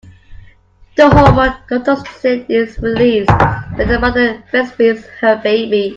The hormone oxytocin is released when a mother breastfeeds her baby.